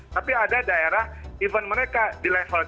tapi ada daerah even mereka di level tiga